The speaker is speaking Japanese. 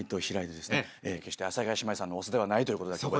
決して阿佐ヶ谷姉妹さんのオスではないということだけは。